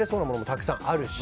たくさんあるし